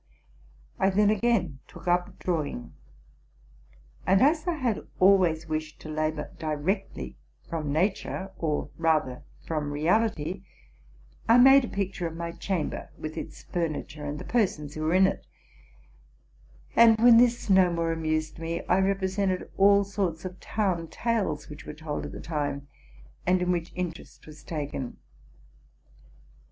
I then again took up drawing: and as I always wished to labor directly from nature, or rather from reality, I made a picture of my chamber, with its furniture, and the persons who were in it; and, when this no more amused me, I represented all sorts of town tales, which were told at the time, and in which interest was taken.